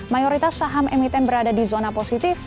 mayoritas saham emiten berada di zona positif